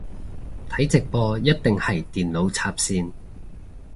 睇直播一定係電腦插線